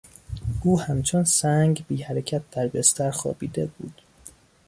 او همچون سنگ بیحرکت در بستر خوابیده بود.